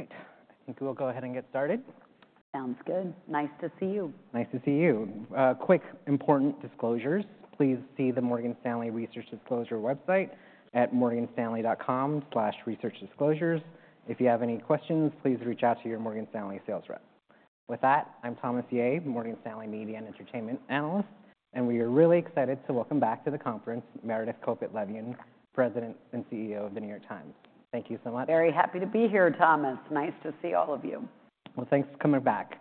All right. I think we'll go ahead and get started. Sounds good. Nice to see you. Nice to see you. Quick important disclosures. Please see the Morgan Stanley Research Disclosure website at morganstanley.com/researchdisclosures. If you have any questions, please reach out to your Morgan Stanley sales rep. With that, I'm Thomas Yeh, Morgan Stanley Media and Entertainment Analyst, and we are really excited to welcome back to the conference, Meredith Kopit Levien, President and CEO of The New York Times. Thank you so much. Very happy to be here, Thomas. Nice to see all of you. Well, thanks for coming back.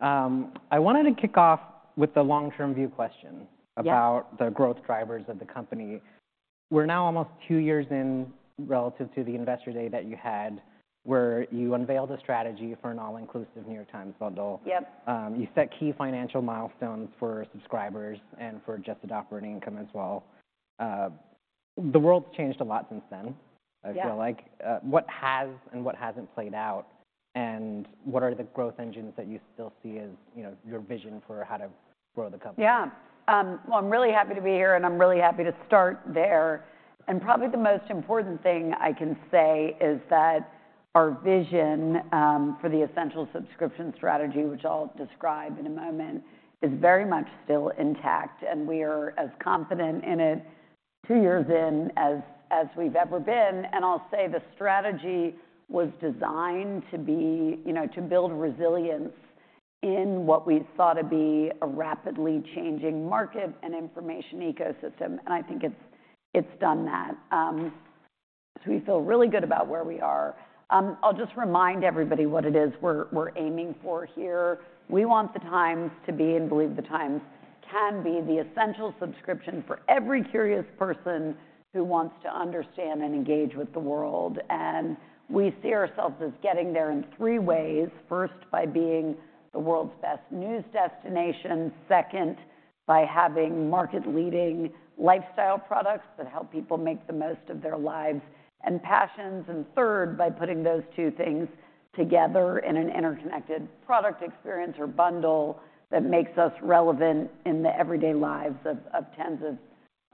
I wanted to kick off with the long-term view question- Yeah about the growth drivers of the company. We're now almost two years in relative to the Investor Day that you had, where you unveiled a strategy for an all-inclusive New York Times bundle. Yep. You set key financial milestones for subscribers and for adjusted operating income as well. The world's changed a lot since then- Yeah I feel like what has and what hasn't played out, and what are the growth engines that you still see as, you know, your vision for how to grow the company? Yeah. Well, I'm really happy to be here, and I'm really happy to start there. Probably the most important thing I can say is that our vision for the essential subscription strategy, which I'll describe in a moment, is very much still intact, and we are as confident in it two years in as we've ever been. I'll say the strategy was designed to be, you know, to build resilience in what we thought to be a rapidly changing market and information ecosystem, and I think it's done that. So we feel really good about where we are. I'll just remind everybody what it is we're aiming for here. We want the Times to be, and believe the Times can be, the essential subscription for every curious person who wants to understand and engage with the world. We see ourselves as getting there in three ways. First, by being the world's best news destination. Second, by having market-leading lifestyle products that help people make the most of their lives and passions. And third, by putting those two things together in an interconnected product experience or bundle that makes us relevant in the everyday lives of tens of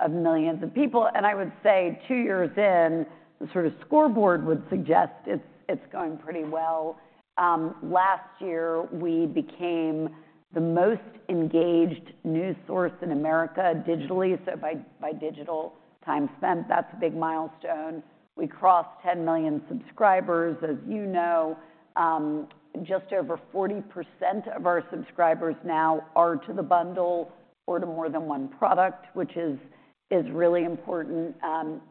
millions of people. And I would say, two years in, the sort of scoreboard would suggest it's going pretty well. Last year, we became the most engaged news source in America digitally, so by digital time spent, that's a big milestone. We crossed 10 million subscribers, as you know. Just over 40% of our subscribers now are to the bundle or to more than one product, which is really important.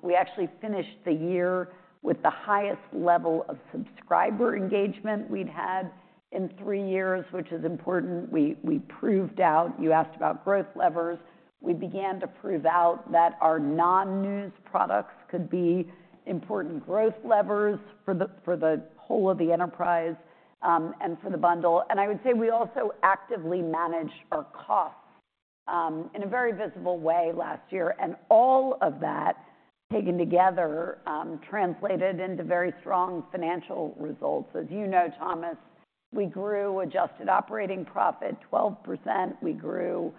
We actually finished the year with the highest level of subscriber engagement we'd had in three years, which is important. We proved out... You asked about growth levers. We began to prove out that our non-news products could be important growth levers for the whole of the enterprise, and for the bundle. I would say we also actively managed our costs in a very visible way last year, and all of that, taken together, translated into very strong financial results. As you know, Thomas, we grew adjusted operating profit 12%. We grew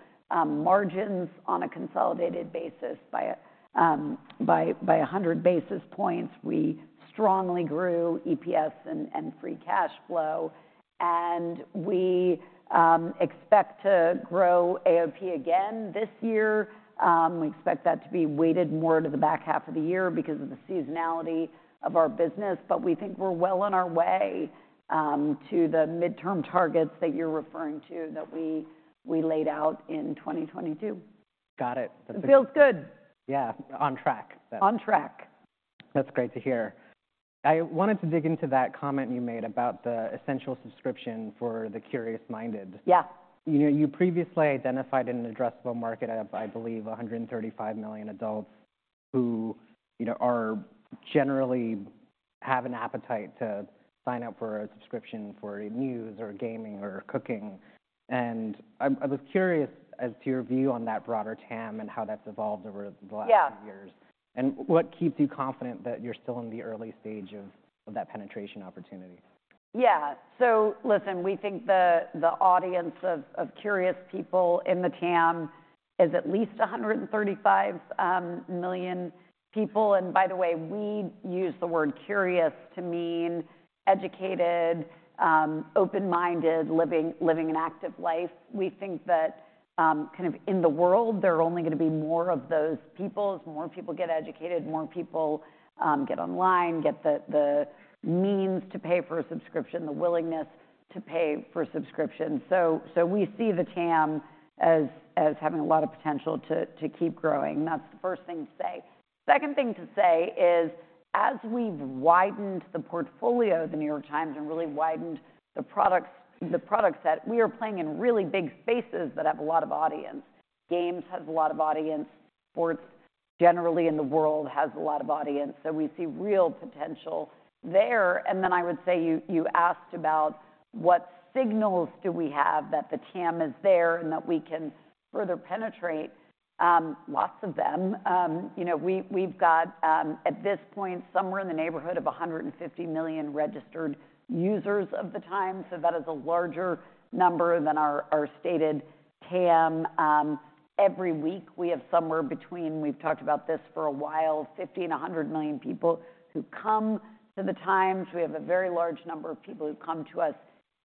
margins on a consolidated basis by 100 basis points. We strongly grew EPS and free cash flow, and we expect to grow AOP again this year. We expect that to be weighted more to the back half of the year because of the seasonality of our business, but we think we're well on our way to the midterm targets that you're referring to, that we laid out in 2022. Got it. It feels good. Yeah, on track. On track. That's great to hear. I wanted to dig into that comment you made about the essential subscription for the curious-minded. Yeah. You know, you previously identified an addressable market of, I believe, 135 million adults who, you know, are generally have an appetite to sign up for a subscription for News or Gaming or Cooking. And I was curious as to your view on that broader TAM and how that's evolved over the last- Yeah few years, and what keeps you confident that you're still in the early stage of, of that penetration opportunity? Yeah. So listen, we think the audience of curious people in the TAM is at least 135 million people. And by the way, we use the word curious to mean educated, open-minded, living an active life. We think that kind of in the world, there are only going to be more of those people. More people get educated, more people get online, get the means to pay for a subscription, the willingness to pay for a subscription. So we see the TAM as having a lot of potential to keep growing. That's the first thing to say. Second thing to say is, as we've widened the portfolio of The New York Times and really widened the products, the product set, we are playing in really big spaces that have a lot of audience. Games has a lot of audience. Sports, generally in the world, has a lot of audience. So we see real potential there. And then I would say you, you asked about what signals do we have that the TAM is there and that we can further penetrate? Lots of them. You know, we, we've got, at this point, somewhere in the neighborhood of 150 million registered users of the Times, so that is a larger number than our, our stated TAM. Every week, we have somewhere between, we've talked about this for a while, 50 million and 100 million people who come to the Times. We have a very large number of people who come to us-...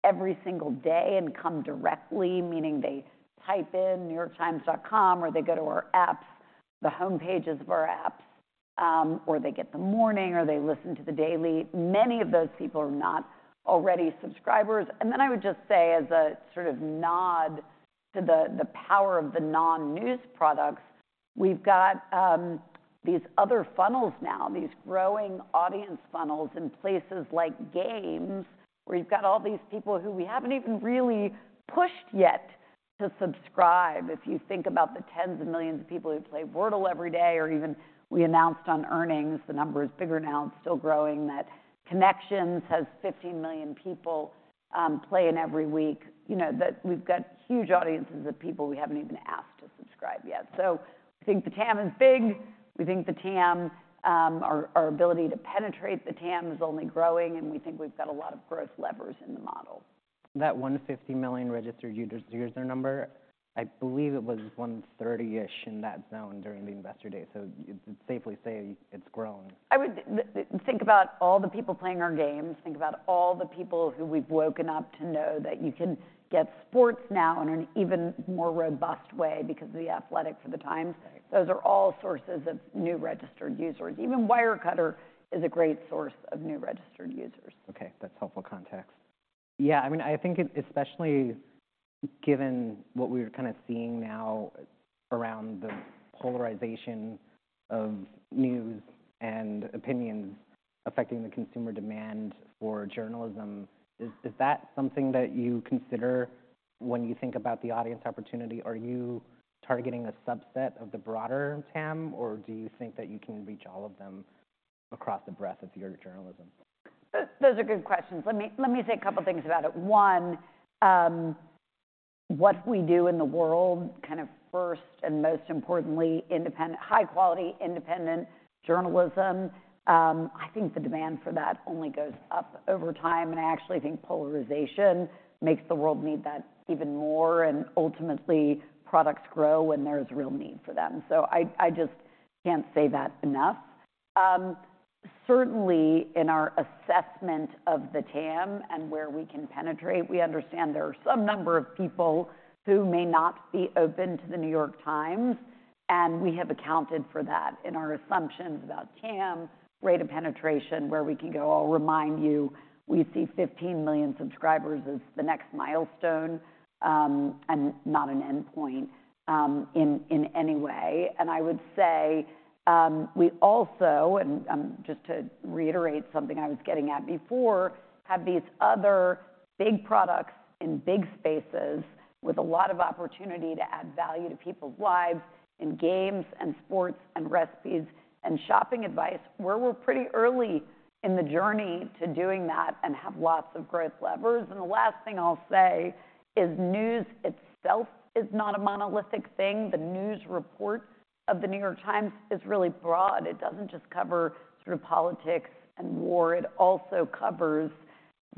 Every single day and come directly, meaning they type in newyorktimes.com, or they go to our apps, the homepages of our apps, or they get The Morning or they listen to The Daily. Many of those people are not already subscribers. And then I would just say, as a sort of nod to the power of the non-news products, we've got these other funnels now, these growing audience funnels in places like Games, where you've got all these people who we haven't even really pushed yet to subscribe. If you think about the tens of millions of people who play Wordle every day, or even we announced on earnings, the number is bigger now and still growing, that Connections has 15 million people playing every week. You know, that we've got huge audiences of people we haven't even asked to subscribe yet. So we think the TAM is big. We think the TAM, our ability to penetrate the TAM is only growing, and we think we've got a lot of growth levers in the model. That 150 million registered users user number, I believe it was 130-ish in that zone during the Investor Day, so you could safely say it's grown. I would think about all the people playing our Games. Think about all the people who we've woken up to know that you can get sports now in an even more robust way because of The Athletic for The Times. Right. Those are all sources of new registered users. Even Wirecutter is a great source of new registered users. Okay, that's helpful context. Yeah, I mean, I think, especially given what we're kind of seeing now around the polarization of news and opinions affecting the consumer demand for journalism, is that something that you consider when you think about the audience opportunity? Are you targeting a subset of the broader TAM, or do you think that you can reach all of them across the breadth of your journalism? Those are good questions. Let me say a couple of things about it. One, what we do in the world, kind of first and most importantly, independent, high-quality, independent journalism, I think the demand for that only goes up over time, and I actually think polarization makes the world need that even more, and ultimately, products grow when there's real need for them. So I just can't say that enough. Certainly, in our assessment of the TAM and where we can penetrate, we understand there are some number of people who may not be open to The New York Times, and we have accounted for that in our assumptions about TAM, rate of penetration, where we can go. I'll remind you, we see 15 million subscribers as the next milestone, and not an endpoint, in any way. I would say we also just to reiterate something I was getting at before, have these other big products in big spaces with a lot of opportunity to add value to people's lives in Games, and sports, and recipes, and shopping advice, where we're pretty early in the journey to doing that and have lots of growth levers. The last thing I'll say is News itself is not a monolithic thing. The News report of The New York Times is really broad. It doesn't just cover sort of politics and war. It also covers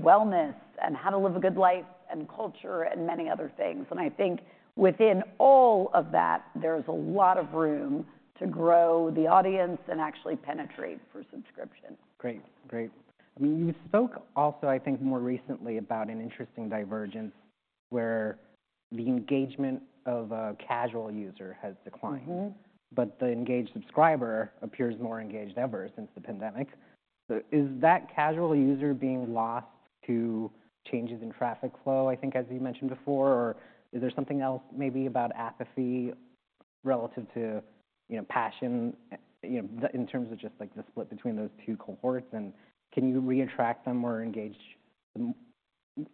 wellness, and how to live a good life, and culture, and many other things. I think within all of that, there's a lot of room to grow the audience and actually penetrate for subscription. Great. Great. I mean, you spoke also, I think, more recently, about an interesting divergence, where the engagement of a casual user has declined- Mm-hmm ... but the engaged subscriber appears more engaged ever since the pandemic. So is that casual user being lost to changes in traffic flow, I think, as you mentioned before, or is there something else maybe about apathy relative to, you know, passion, you know, in terms of just, like, the split between those two cohorts, and can you reattract them or engage them,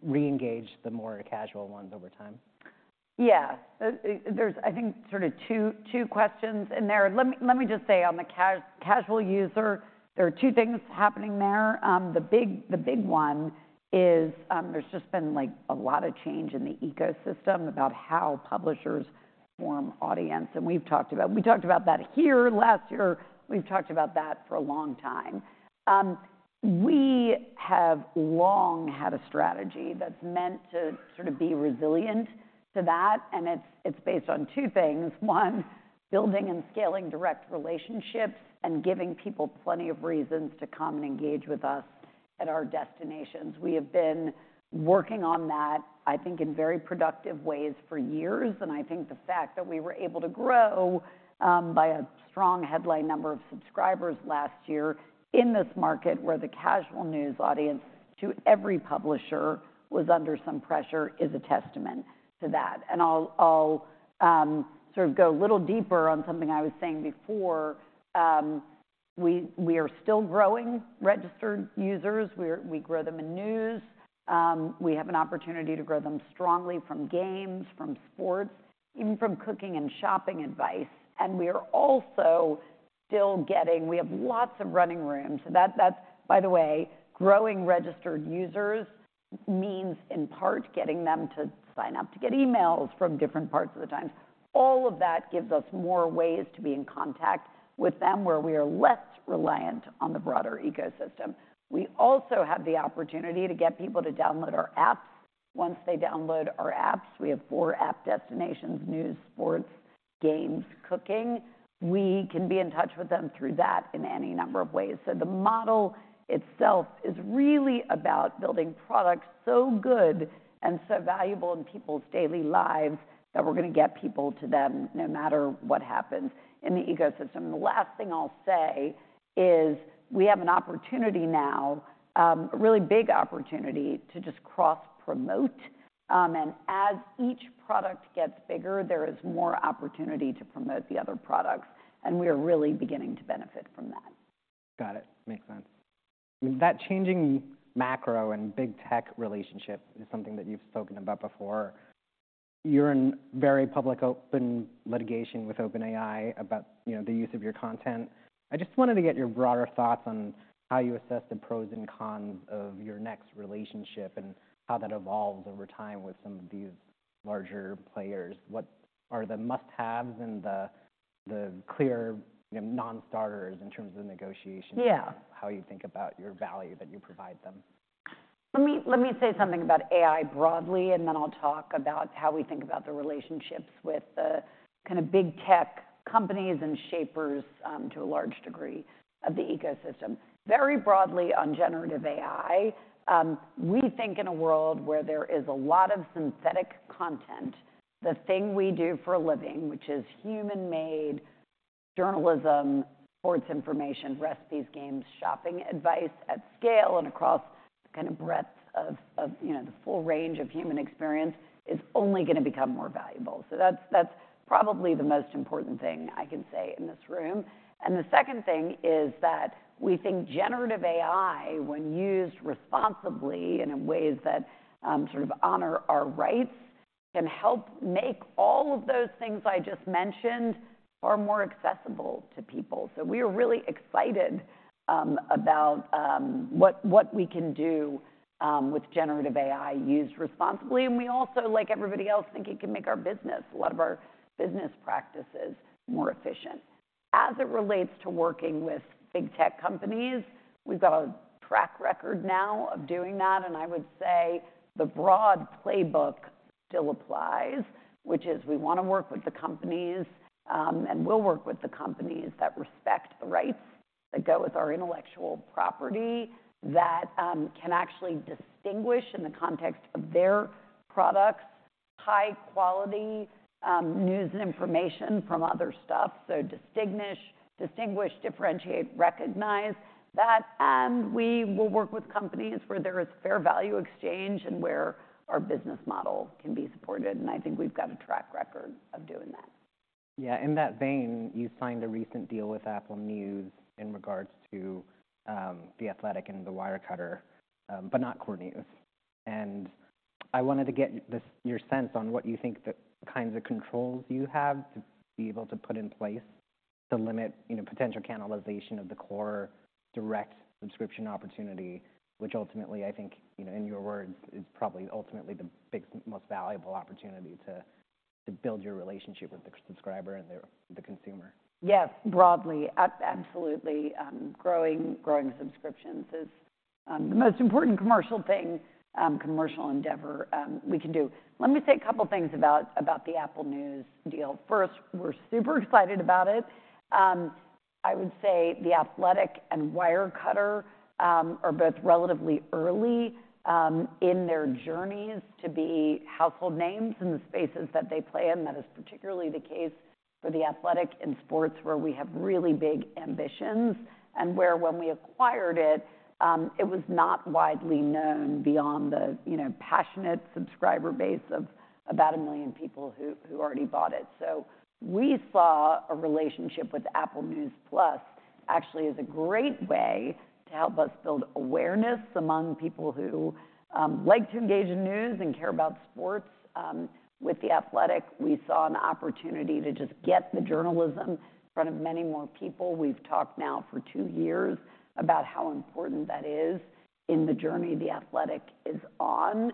reengage the more casual ones over time? Yeah. There's, I think, sort of two questions in there. Let me just say, on the casual user, there are two things happening there. The big one is, there's just been, like, a lot of change in the ecosystem about how publishers form audience, and we've talked about... We talked about that here last year. We've talked about that for a long time. We have long had a strategy that's meant to sort of be resilient to that, and it's based on two things: One, building and scaling direct relationships and giving people plenty of reasons to come and engage with us at our destinations. We have been working on that, I think, in very productive ways for years, and I think the fact that we were able to grow by a strong headline number of subscribers last year in this market, where the casual news audience to every publisher was under some pressure, is a testament to that. And I'll sort of go a little deeper on something I was saying before. We are still growing registered users. We grow them in News. We have an opportunity to grow them strongly from Games, from sports, even from Cooking and shopping advice, and we are also still getting. We have lots of running room. So that's, by the way, growing registered users means, in part, getting them to sign up to get emails from different parts of the Times. All of that gives us more ways to be in contact with them, where we are less reliant on the broader ecosystem. We also have the opportunity to get people to download our apps. Once they download our apps, we have four app destinations: News, Sports, Games, Cooking; we can be in touch with them through that in any number of ways. So the model itself is really about building products so good and so valuable in people's daily lives, that we're going to get people to them no matter what happens in the ecosystem. The last thing I'll say is, we have an opportunity now, a really big opportunity to just cross-promote. And as each product gets bigger, there is more opportunity to promote the other products, and we are really beginning to benefit from that. Got it. Makes sense. That changing macro and big tech relationship is something that you've spoken about before. You're in very public, open litigation with OpenAI about, you know, the use of your content. I just wanted to get your broader thoughts on how you assess the pros and cons of your next relationship, and how that evolves over time with some of these larger players. What are the must-haves and the clear, you know, non-starters in terms of negotiations- Yeah How you think about your value that you provide them? Let me, let me say something about AI broadly, and then I'll talk about how we think about the relationships with the kind of big tech companies and shapers to a large degree of the ecosystem. Very broadly on generative AI, we think in a world where there is a lot of synthetic content, the thing we do for a living, which is human-made journalism, sports information, recipes, Games, shopping advice at scale and across the kind of breadth of you know the full range of human experience, is only going to become more valuable. So that's, that's probably the most important thing I can say in this room. And the second thing is that we think generative AI, when used responsibly and in ways that sort of honor our rights, can help make all of those things I just mentioned are more accessible to people. So we are really excited about what we can do with generative AI used responsibly. We also, like everybody else, think it can make our business, a lot of our business practices more efficient. As it relates to working with big tech companies, we've got a track record now of doing that, and I would say the broad playbook still applies, which is we want to work with the companies, and we'll work with the companies that respect the rights that go with our intellectual property, that can actually distinguish in the context of their products, high quality news and information from other stuff. So distinguish, differentiate, recognize that, and we will work with companies where there is fair value exchange and where our business model can be supported, and I think we've got a track record of doing that. Yeah. In that vein, you signed a recent deal with Apple News in regards to The Athletic and the Wirecutter, but not core news. I wanted to get your sense on what you think the kinds of controls you have to be able to put in place to limit, you know, potential cannibalization of the core direct subscription opportunity, which ultimately, I think, you know, in your words, is probably ultimately the biggest, most valuable opportunity to build your relationship with the subscriber and the consumer. Yes, broadly. Absolutely, growing subscriptions is the most important commercial thing, commercial endeavor we can do. Let me say a couple of things about the Apple News deal. First, we're super excited about it. I would say The Athletic and Wirecutter are both relatively early in their journeys to be household names in the spaces that they play in. That is particularly the case for The Athletic in sports, where we have really big ambitions, and where when we acquired it, it was not widely known beyond the, you know, passionate subscriber base of about 1 million people who already bought it. So we saw a relationship with Apple News+, actually, as a great way to help us build awareness among people who like to engage in news and care about sports. With The Athletic, we saw an opportunity to just get the journalism in front of many more people. We've talked now for two years about how important that is in the journey The Athletic is on.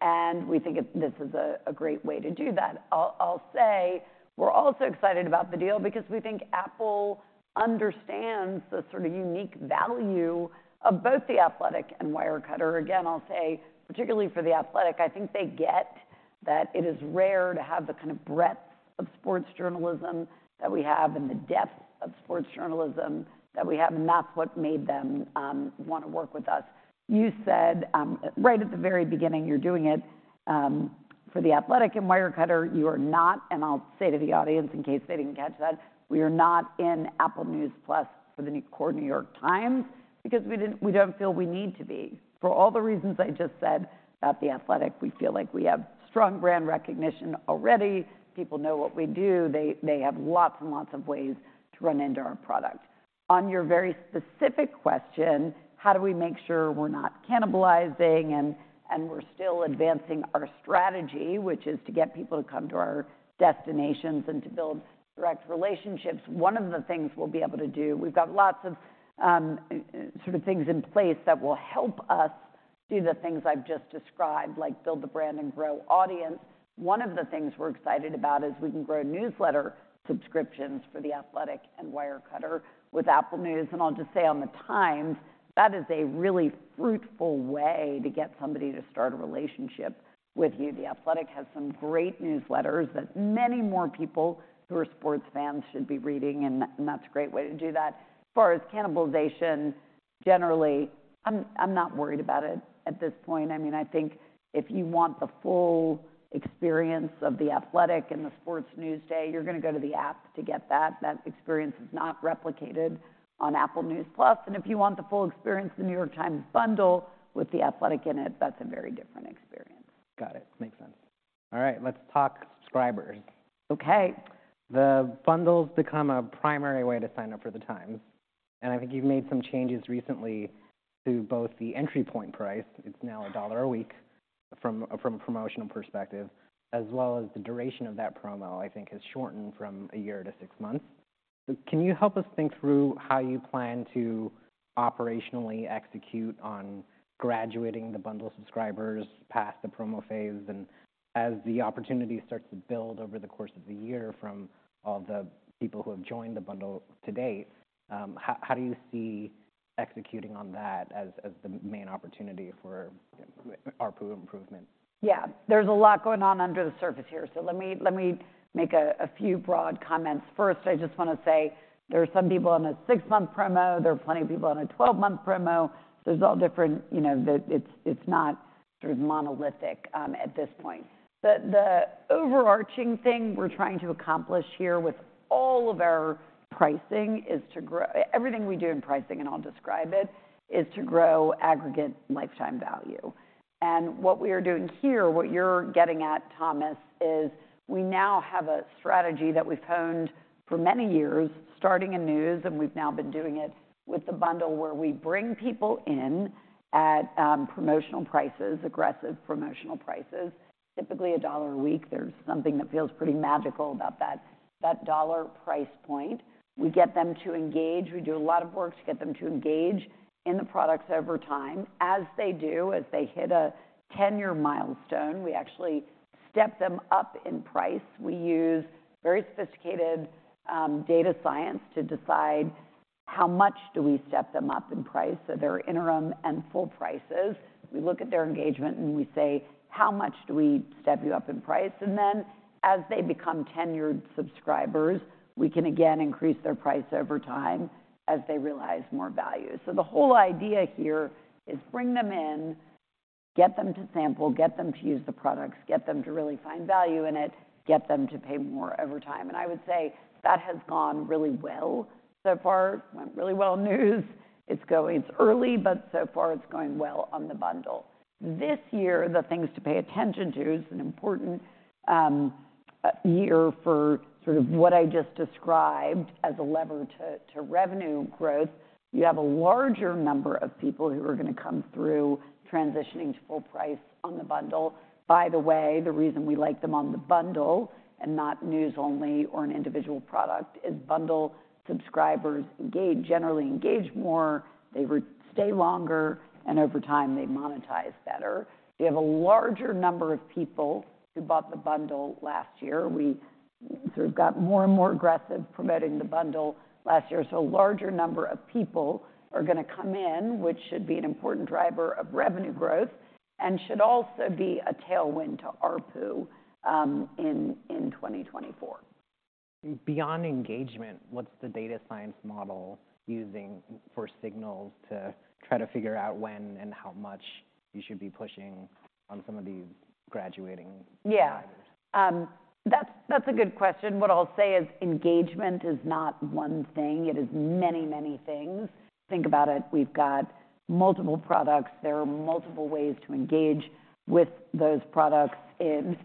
And we think this is a great way to do that. I'll say, we're also excited about the deal because we think Apple understands the sort of unique value of both The Athletic and Wirecutter. Again, I'll say, particularly for The Athletic, I think they get that it is rare to have the kind of breadth of sports journalism that we have and the depth of sports journalism that we have, and that's what made them want to work with us. You said right at the very beginning, you're doing it for The Athletic and Wirecutter, you are not... I'll say to the audience, in case they didn't catch that, we are not in Apple News+ for The New York Times, because we don't feel we need to be. For all the reasons I just said about The Athletic, we feel like we have strong brand recognition already. People know what we do. They have lots and lots of ways to run into our product. On your very specific question, how do we make sure we're not cannibalizing and we're still advancing our strategy, which is to get people to come to our destinations and to build direct relationships? One of the things we'll be able to do, we've got lots of sort of things in place that will help us do the things I've just described, like build the brand and grow audience. One of the things we're excited about is we can grow newsletter subscriptions for The Athletic and Wirecutter with Apple News. And I'll just say on the Times, that is a really fruitful way to get somebody to start a relationship with you. The Athletic has some great newsletters that many more people who are sports fans should be reading, and that's a great way to do that. As far as cannibalization, generally, I'm not worried about it at this point. I mean, I think if you want the full experience of The Athletic and the sports news day, you're gonna go to the app to get that. That experience is not replicated on Apple News+. And if you want the full experience of The New York Times bundle with The Athletic in it, that's a very different experience. Got it. Makes sense. All right, let's talk subscribers. Okay. The bundle's become a primary way to sign up for the Times, and I think you've made some changes recently to both the entry point price, it's now $1 a week, from a promotional perspective, as well as the duration of that promo, I think, has shortened from 1 year to 6 months. So can you help us think through how you plan to operationally execute on graduating the bundle subscribers past the promo phase? And as the opportunity starts to build over the course of the year from all the people who have joined the bundle to date, how do you see executing on that as the main opportunity for ARPU improvement? Yeah. There's a lot going on under the surface here, so let me make a few broad comments. First, I just wanna say there are some people on a 6-month promo, there are plenty of people on a 12-month promo. There's all different... You know, it's not sort of monolithic at this point. But the overarching thing we're trying to accomplish here with all of our pricing is to grow everything we do in pricing, and I'll describe it, is to grow aggregate lifetime value. And what we are doing here, what you're getting at, Thomas, is we now have a strategy that we've honed for many years, starting in Nnews, and we've now been doing it with the bundle, where we bring people in at promotional prices, aggressive promotional prices, typically $1 a week. There's something that feels pretty magical about that, that dollar price point. We get them to engage. We do a lot of work to get them to engage in the products over time. As they do, as they hit a tenure milestone, we actually step them up in price. We use very sophisticated, data science to decide how much do we step them up in price, so their interim and full prices. We look at their engagement, and we say, "How much do we step you up in price?" And then, as they become tenured subscribers, we can again increase their price over time as they realize more value. So the whole idea here is bring them in, get them to sample, get them to use the products, get them to really find value in it, get them to pay more over time. I would say that has gone really well so far. It went really well in news. It's early, but so far, it's going well on the bundle. This year, the things to pay attention to, it's an important year for sort of what I just described as a lever to revenue growth. You have a larger number of people who are gonna come through transitioning to full price on the bundle. By the way, the reason we like them on the bundle, and not news only or an individual product, is bundle subscribers generally engage more, they stay longer, and over time, they monetize better. We have a larger number of people who bought the bundle last year. We sort of got more and more aggressive promoting the bundle last year. A larger number of people are gonna come in, which should be an important driver of revenue growth and should also be a tailwind to ARPU in 2024. Beyond engagement, what's the data science model using for signals to try to figure out when and how much you should be pushing on some of these graduating? Yeah - subscribers? That's a good question. What I'll say is engagement is not one thing; it is many, many things. Think about it, we've got multiple products. There are multiple ways to engage with those products in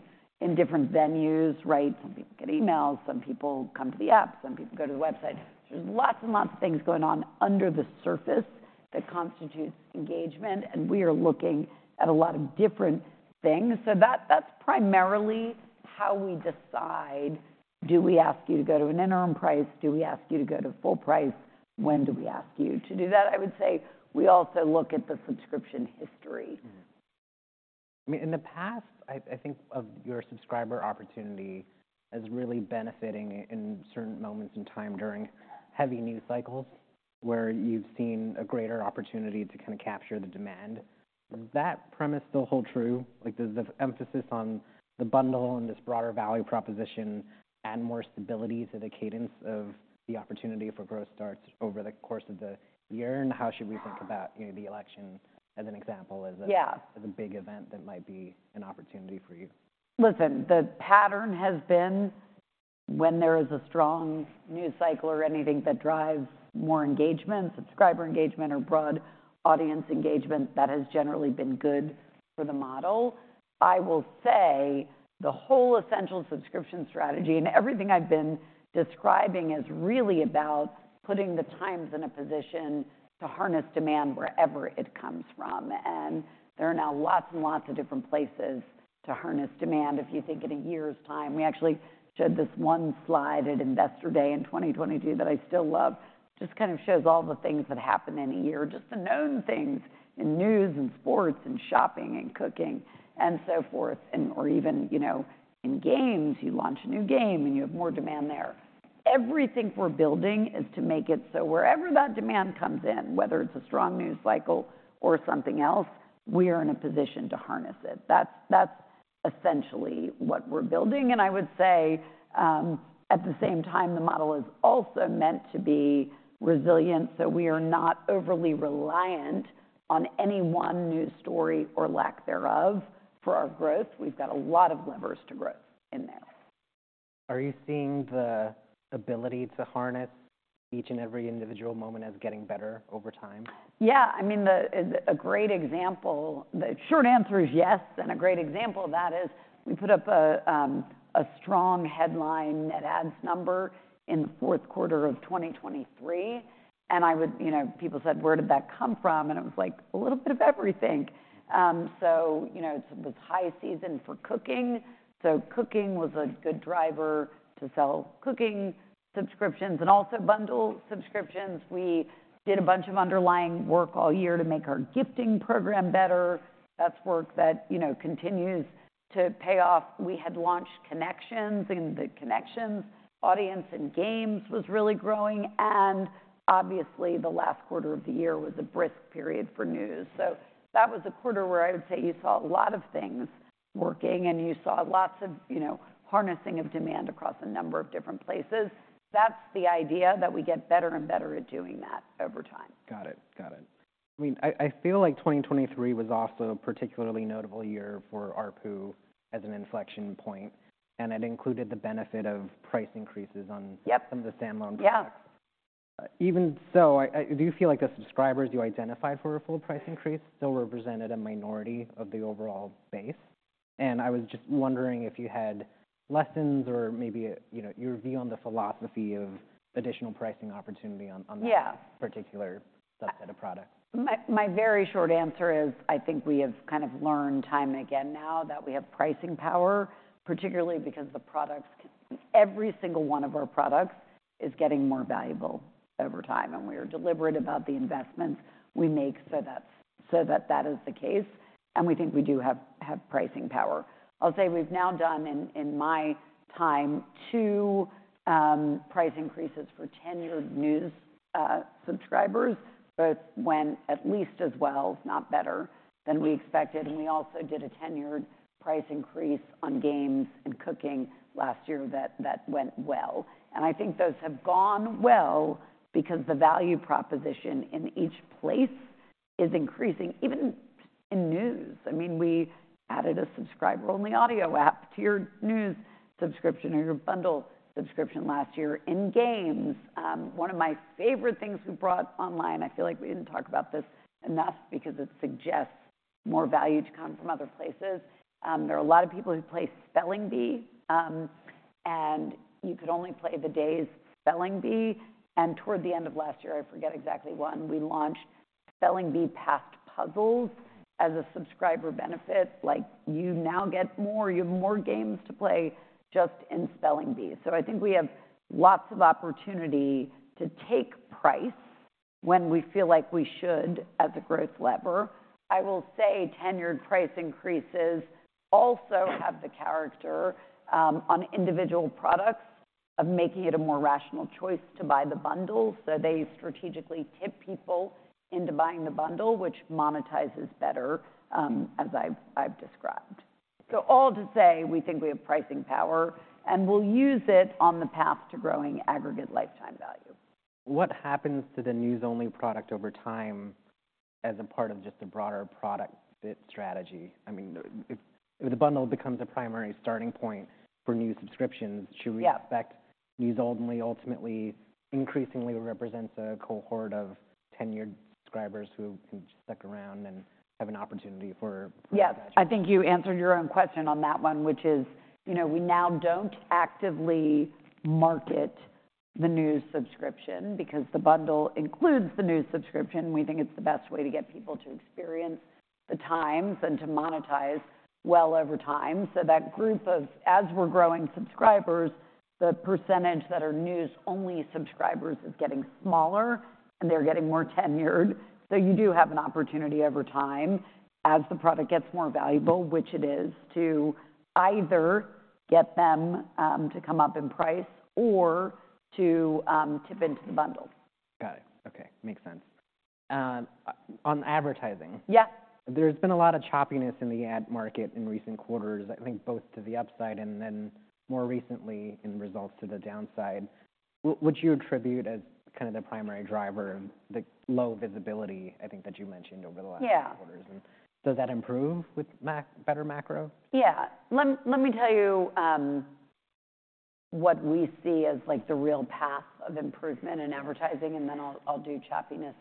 different venues, right? Some people get emails, some people come to the app, some people go to the website. There's lots and lots of things going on under the surface that constitutes engagement, and we are looking at a lot of different things. So that's primarily how we decide, do we ask you to go to an interim price? Do we ask you to go to full price? When do we ask you to do that? I would say we also look at the subscription history. Mm-hmm. I mean, in the past, I think of your subscriber opportunity as really benefiting in certain moments in time during heavy news cycles, where you've seen a greater opportunity to kind of capture the demand. Does that premise still hold true? Like, does the emphasis on the bundle and this broader value proposition add more stability to the cadence of the opportunity for growth starts over the course of the year? And how should we think about, you know, the election, as an example, as a- Yeah - as a big event that might be an opportunity for you? Listen, the pattern has been when there is a strong news cycle or anything that drives more engagement, subscriber engagement or broad audience engagement, that has generally been good for the model. I will say the whole essential subscription strategy and everything I've been describing, is really about putting the Times in a position to harness demand wherever it comes from, and there are now lots and lots of different places to harness demand. If you think in a year's time, we actually showed this one slide at Investor Day in 2022 that I still love. Just kind of shows all the things that happen in a year, just the known things in News and Sports and Shopping and Cooking and so forth, and/or even, you know, in Games. You launch a new game, and you have more demand there. Everything we're building is to make it so wherever that demand comes in, whether it's a strong news cycle or something else, we are in a position to harness it. That's, that's essentially what we're building, and I would say, at the same time, the model is also meant to be resilient, so we are not overly reliant on any one news story or lack thereof for our growth. We've got a lot of levers to growth in there. Are you seeing the ability to harness each and every individual moment as getting better over time? Yeah, I mean, a great example—the short answer is yes, and a great example of that is we put up a strong headline net adds number in the fourth quarter of 2023, and I would, you know, people said, "Where did that come from?" And it was like, "A little bit of everything." So, you know, it's the high season for Cooking, so Cooking was a good driver to sell Cooking subscriptions and also bundle subscriptions. We did a bunch of underlying work all year to make our gifting program better. That's work that, you know, continues to pay off. We had launched Connections, and the Connections audience and Games was really growing, and obviously, the last quarter of the year was a brisk period for News. That was a quarter where I would say you saw a lot of things working, and you saw lots of, you know, harnessing of demand across a number of different places. That's the idea, that we get better and better at doing that over time. Got it. Got it. I mean, I, I feel like 2023 was also a particularly notable year for ARPU as an inflection point, and it included the benefit of price increases on- Yep some of the standalone products. Yeah. Even so, do you feel like the subscribers you identified for a full price increase still represented a minority of the overall base? And I was just wondering if you had lessons or maybe, you know, your view on the philosophy of additional pricing opportunity on, on that- Yeah particular subset of products. My, my very short answer is, I think we have kind of learned time and again now that we have pricing power, particularly because the products, every single one of our products is getting more valuable over time, and we are deliberate about the investments we make so that, so that that is the case, and we think we do have, have pricing power. I'll say we've now done, in, in my time, 2, price increases for tenured news, subscribers. Both went at least as well, if not better, than we expected, and we also did a tenured price increase on Games and Cooking last year that, that went well. And I think those have gone well because the value proposition in each place is increasing, even in news. I mean, we added a subscriber-only audio app to your news subscription or your bundle subscription last year. In Games, one of my favorite things we brought online, I feel like we didn't talk about this enough because it suggests more value to come from other places, there are a lot of people who play Spelling Bee, and you could only play the day's Spelling Bee, and toward the end of last year, I forget exactly when, we launched Spelling Bee Past Puzzles as a subscriber benefit. Like, you now get more. You have more Games to play just in Spelling Bee. So I think we have lots of opportunity to take price when we feel like we should as a growth lever. I will say tenured price increases also have the character, on individual products of making it a more rational choice to buy the bundle, so they strategically tip people into buying the bundle, which monetizes better, as I've, I've described. So all to say, we think we have pricing power, and we'll use it on the path to growing aggregate lifetime value. What happens to the news-only product over time as a part of just the broader product fit strategy? I mean, if the bundle becomes a primary starting point for new subscriptions- Yeah Should we expect news only ultimately increasingly represents a cohort of tenured subscribers who stick around and have an opportunity for? Yeah, I think you answered your own question on that one, which is, you know, we now don't actively market the news subscription because the bundle includes the news subscription. We think it's the best way to get people to experience The Times and to monetize well over time. So that group of— As we're growing subscribers, the percentage that are news-only subscribers is getting smaller, and they're getting more tenured. So you do have an opportunity over time, as the product gets more valuable, which it is, to either get them to come up in price or to tip into the bundle. Got it. Okay, makes sense. On advertising- Yeah ... there's been a lot of choppiness in the ad market in recent quarters, I think both to the upside and then more recently in results to the downside. What would you attribute as kind of the primary driver of the low visibility, I think that you mentioned over the last few quarters? Yeah. Does that improve with better macro? Yeah. Let me tell you what we see as, like, the real path of improvement in advertising, and then I'll do choppiness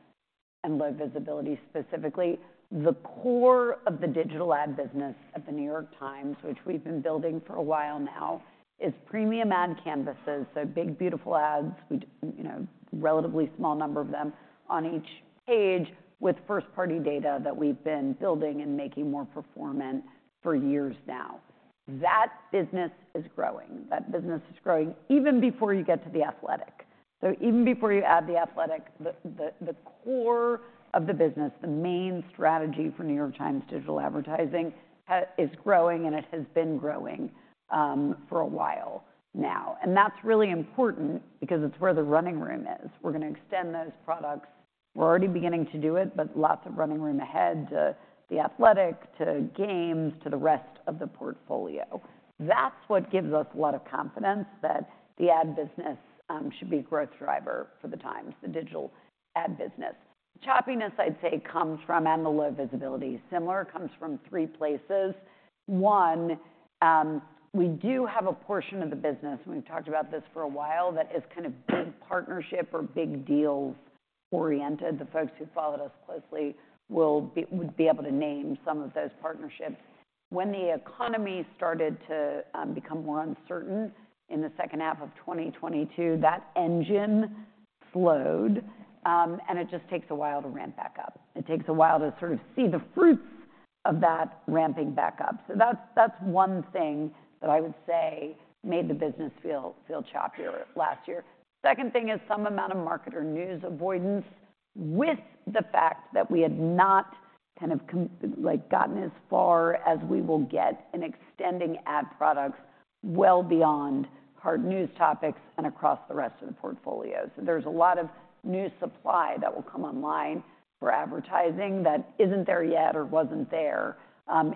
and low visibility specifically. The core of the digital ad business at The New York Times, which we've been building for a while now, is premium ad canvases, so big, beautiful ads, we you know, relatively small number of them on each page with first-party data that we've been building and making more performant for years now. That business is growing. That business is growing even before you get to The Athletic. So even before you add The Athletic, the core of the business, the main strategy for New York Times' digital advertising is growing, and it has been growing for a while now. And that's really important because it's where the running room is. We're gonna extend those products. We're already beginning to do it, but lots of running room ahead to The Athletic, to Games, to the rest of the portfolio. That's what gives us a lot of confidence that the ad business should be a growth driver for The Times, the digital ad business. Choppiness, I'd say, comes from, and the low visibility, similar, comes from three places. One, we do have a portion of the business, and we've talked about this for a while, that is kind of big partnership or big deals-oriented. The folks who've followed us closely would be able to name some of those partnerships. When the economy started to become more uncertain in the second half of 2022, that engine slowed, and it just takes a while to ramp back up. It takes a while to sort of see the fruits of that ramping back up. So that's one thing that I would say made the business feel choppier last year. Second thing is some amount of marketer news avoidance, with the fact that we had not kind of gotten as far as we will get in extending ad products well beyond hard news topics and across the rest of the portfolio. So there's a lot of new supply that will come online for advertising that isn't there yet or wasn't there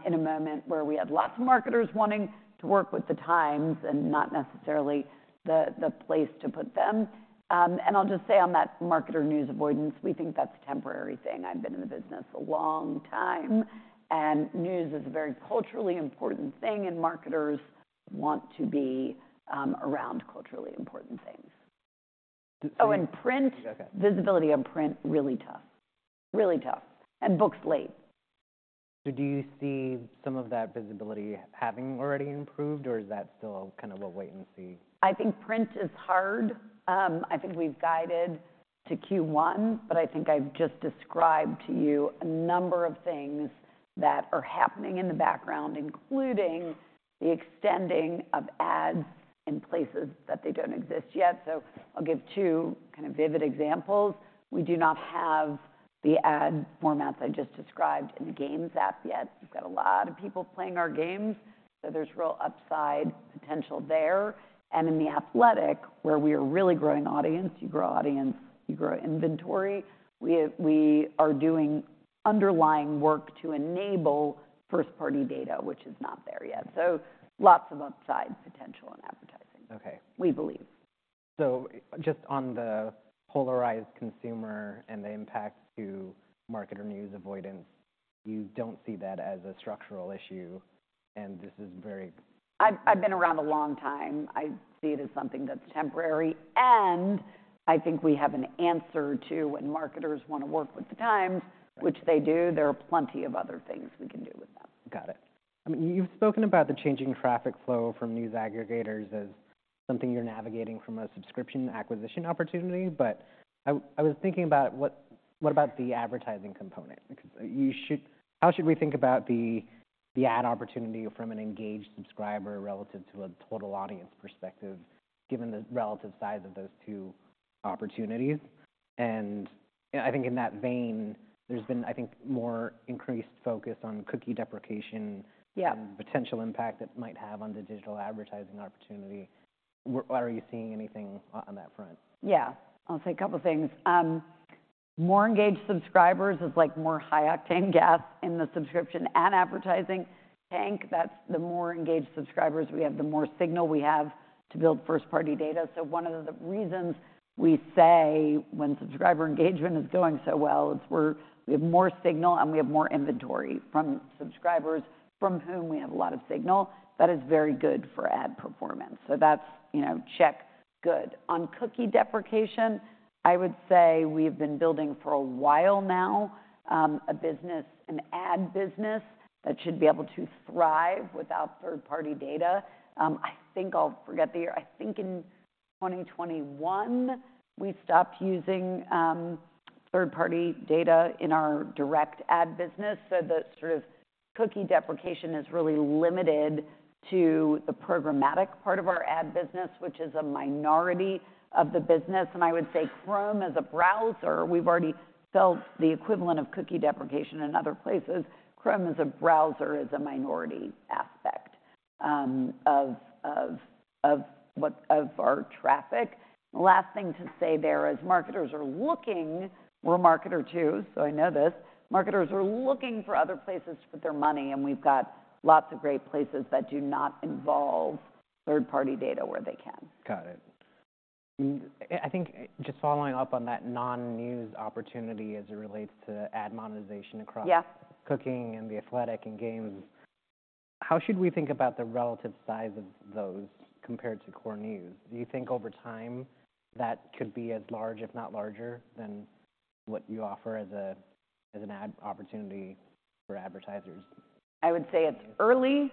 in a moment where we had lots of marketers wanting to work with The Times and not necessarily the place to put them. And I'll just say on that marketer news avoidance, we think that's a temporary thing. I've been in the business a long time, and News is a very culturally important thing, and marketers want to be around culturally important things. Oh, and print- Okay. Visibility on print, really tough. Really tough, and books, late. Do you see some of that visibility having already improved, or is that still kind of a wait-and-see? I think print is hard. I think we've guided to Q1, but I think I've just described to you a number of things that are happening in the background, including the extending of ads in places that they don't exist yet. I'll give two kind of vivid examples. We do not have the ad formats I just described in the Games app yet. We've got a lot of people playing our Games, so there's real upside potential there. In The Athletic, where we are really growing audience, you grow audience, you grow inventory, we have. We are doing underlying work to enable first-party data, which is not there yet, so lots of upside potential in advertising. Okay... we believe. So, just on the polarized consumer and the impact to marketer news avoidance, you don't see that as a structural issue, and this is very- I've been around a long time. I see it as something that's temporary, and I think we have an answer to when marketers wanna work with The Times- Right... which they do, there are plenty of other things we can do with them. Got it. I mean, you've spoken about the changing traffic flow from news aggregators as something you're navigating from a subscription acquisition opportunity, but I was thinking about what about the advertising component? Because you should- how should we think about the ad opportunity from an engaged subscriber relative to a total audience perspective, given the relative size of those two opportunities? And I think in that vein, there's been, I think, more increased focus on cookie deprecation- Yeah... and the potential impact it might have on the digital advertising opportunity. Are you seeing anything on that front? Yeah. I'll say a couple things. More engaged subscribers is, like, more high-octane gas in the subscription and advertising tank. That's the more engaged subscribers we have, the more signal we have to build first-party data. So one of the reasons we say when subscriber engagement is going so well is we have more signal, and we have more inventory from subscribers from whom we have a lot of signal. That is very good for ad performance, so that's, you know, check, good. On cookie deprecation, I would say we've been building for a while now, a business, an ad business, that should be able to thrive without third-party data. I think... I'll forget the year. I think in 2021, we stopped using third-party data in our direct ad business, so the sort of cookie deprecation is really limited to the programmatic part of our ad business, which is a minority of the business. And I would say Chrome as a browser, we've already felt the equivalent of cookie deprecation in other places. Chrome as a browser is a minority aspect of our traffic. Last thing to say there is marketers are looking... We're a marketer, too, so I know this. Marketers are looking for other places to put their money, and we've got lots of great places that do not involve third-party data where they can. Got it. I think, just following up on that non-news opportunity as it relates to ad monetization across- Yeah... Cooking and The Athletic and Games, how should we think about the relative size of those compared to core news? Do you think over time that could be as large, if not larger, than what you offer as a, as an ad opportunity for advertisers? I would say it's early.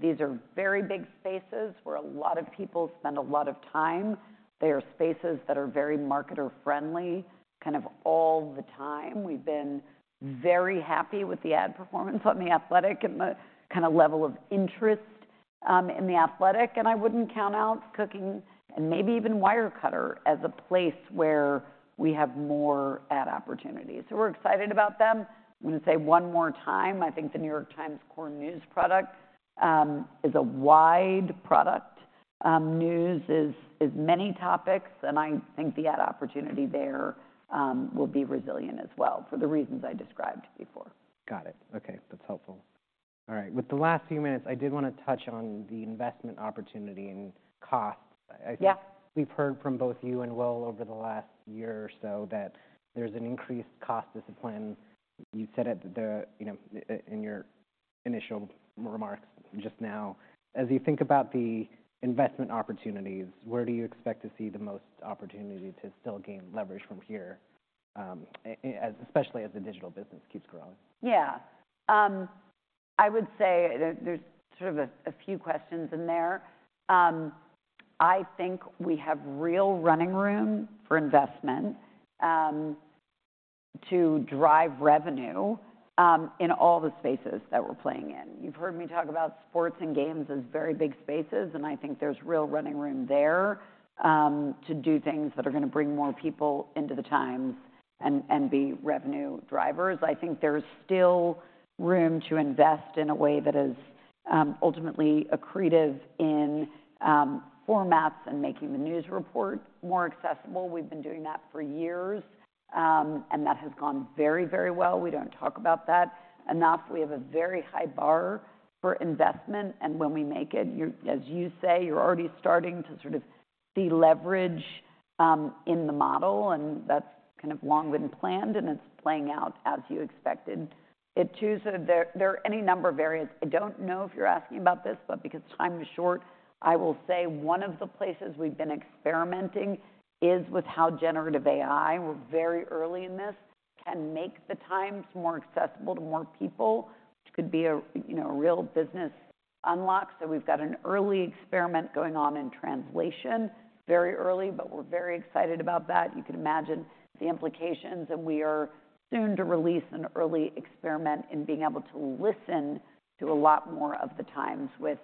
These are very big spaces where a lot of people spend a lot of time. They are spaces that are very marketer friendly, kind of all the time. We've been very happy with the ad performance on The Athletic and the kind of level of interest in The Athletic, and I wouldn't count out Cooking, and maybe even Wirecutter as a place where we have more ad opportunities. So we're excited about them. I'm gonna say one more time, I think The New York Times core news product is a wide product. News is many topics, and I think the ad opportunity there will be resilient as well for the reasons I described before. Got it. Okay, that's helpful. All right. With the last few minutes, I did wanna touch on the investment opportunity and cost. Yeah. I think we've heard from both you and Will over the last year or so that there's an increased cost discipline. You said at the, you know, in your initial remarks just now, as you think about the investment opportunities, where do you expect to see the most opportunity to still gain leverage from here, especially as the digital business keeps growing? Yeah. I would say there's sort of a few questions in there. I think we have real running room for investment to drive revenue in all the spaces that we're playing in. You've heard me talk about sports and Games as very big spaces, and I think there's real running room there to do things that are gonna bring more people into the Times and be revenue drivers. I think there's still room to invest in a way that is ultimately accretive in formats and making the news report more accessible. We've been doing that for years, and that has gone very, very well. We don't talk about that enough. We have a very high bar for investment, and when we make it, you're—as you say, you're already starting to sort of deleverage in the model, and that's kind of long been planned, and it's playing out as you expected. So there are any number of areas. I don't know if you're asking about this, but because time is short, I will say one of the places we've been experimenting is with how generative AI, we're very early in this, can make the Times more accessible to more people, which could be a, you know, a real business unlock. So we've got an early experiment going on in translation. Very early, but we're very excited about that. You can imagine the implications, and we are soon to release an early experiment in being able to listen to a lot more of the Times with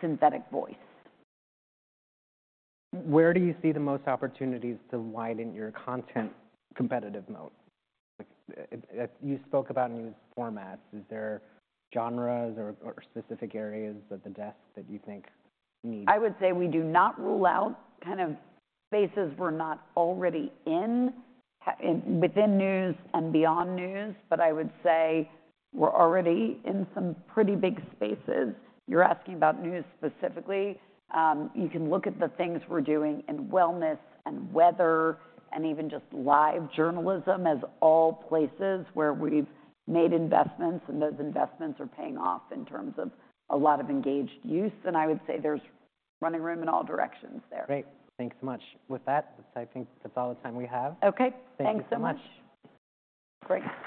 synthetic voice. Where do you see the most opportunities to widen your content competitive mode? Like, you spoke about news formats. Is there genres or specific areas of the desk that you think need- I would say we do not rule out kind of spaces we're not already in, in, within news and beyond news, but I would say we're already in some pretty big spaces. You're asking about news specifically. You can look at the things we're doing in wellness and weather, and even just live journalism, as all places where we've made investments, and those investments are paying off in terms of a lot of engaged use, and I would say there's running room in all directions there. Great. Thanks so much. With that, I think that's all the time we have. Okay. Thank you so much. Thanks so much. Great.